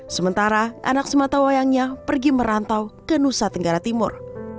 sementara anak sematawayangnya pergi merantau ke nusa tenggara timur